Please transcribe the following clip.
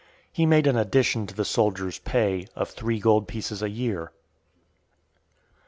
He made an addition to the soldiers' pay, of three gold pieces a year. VIII.